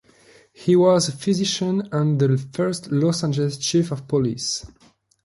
He was a physician and the first Los Angeles Chief of Police.